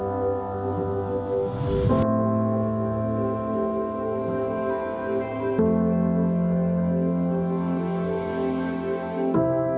เท่านั้นต้องใช้อเวลา๑๑เดือนที่รวมเฉพาะ